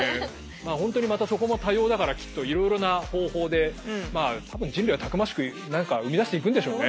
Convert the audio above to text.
まあ本当にまたそこも多様だからきっといろいろな方法でまあ多分人類はたくましく何か生み出していくんでしょうね。